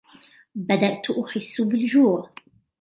بدأت أحس بالجوع.